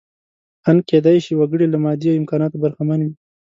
ان کېدای شي وګړی له مادي امکاناتو برخمن وي.